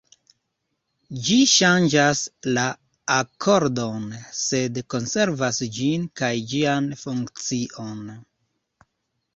Ĝi ŝanĝas la akordon, sed konservas ĝin kaj ĝian funkcion.